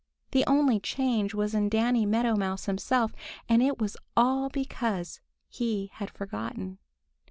The only change was in Danny Meadow Mouse himself, and it was all because he had forgotten.